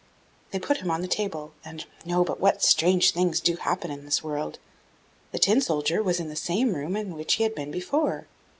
They put him on the table, and no, but what strange things do happen in this world! the Tin soldier was in the same room in which he had been before!